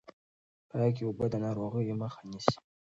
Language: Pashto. پاکې اوبه د ناروغیو مخه نيسي.